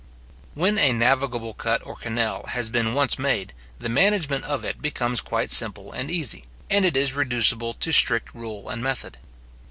When a navigable cut or canal has been once made, the management of it becomes quite simple and easy, and it is reducible to strict rule and method.